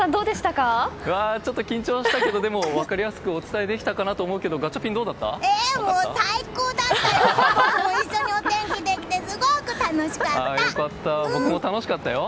ちょっと緊張したけどでも分かりやすくお伝えできたかなと思うけどもう最高だったよ！